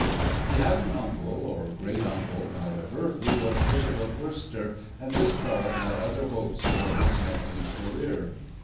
He had an uncle, or great uncle, however, who was Bishop of Worcester, and this Prelate had other hopes for his nephew's career.